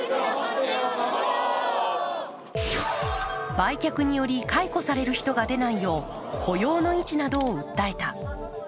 売却により、解雇される人が出ないよう雇用の維持などを訴えた。